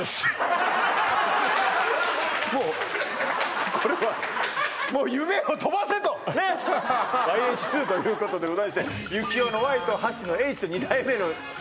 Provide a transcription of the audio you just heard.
もうこれはもう夢を飛ばせとねっｙＨ２ということでございまして幸夫の「ｙ」と橋の「Ｈ」と二代目の「２」